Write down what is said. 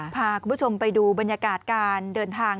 พาคุณผู้ชมไปดูบรรยากาศการเดินทาง